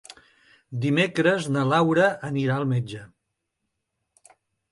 Dimecres na Laura anirà al metge.